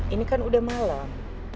ini kan udah malam